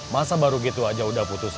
masa baru gitu aja udah putus